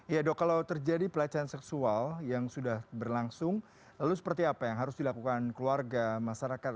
ya dok kalau terjadi pelecehan seksual yang sudah berlangsung lalu seperti apa yang harus dilakukan keluarga masyarakat